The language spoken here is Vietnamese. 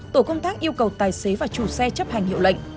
tổ công tác yêu cầu tài xế và chủ xe chấp hành hiệu lệnh